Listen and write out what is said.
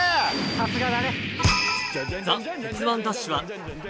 さすがだね。